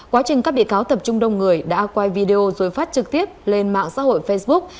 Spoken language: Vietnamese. quá trình các bị cáo tập trung đông người đã quay video rồi phát trực tiếp lên mạng xã hội facebook